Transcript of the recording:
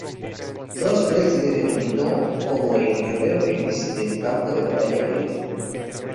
Roosevelt, le denominó como ""el Guerrero Feliz del campo de batalla político.